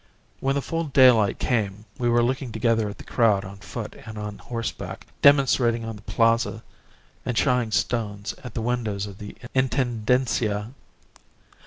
When the full daylight came we were looking together at the crowd on foot and on horseback, demonstrating on the Plaza and shying stones at the windows of the Intendencia.